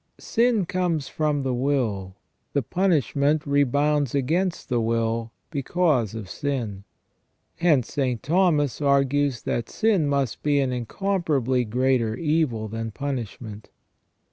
Sin comes from the will; the punishment rebounds against the will, because of sin. Hence St. Thomas argues that sin must be an incomparably greater evil than punishment.